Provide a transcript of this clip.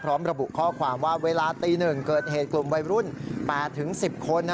ระบุข้อความว่าเวลาตี๑เกิดเหตุกลุ่มวัยรุ่น๘๑๐คน